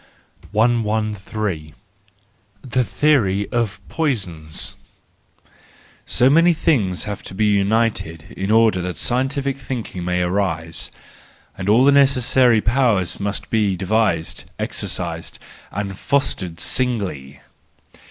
113 . The Theory of Poisons .—So many things have to be united in order that scientific thinking may arise, and all the necessary powers must have been devised, exercised, and fostered singly!